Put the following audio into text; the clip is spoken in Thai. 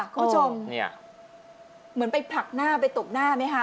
คุณผู้ชมเนี่ยเหมือนไปผลักหน้าไปตบหน้าไหมคะ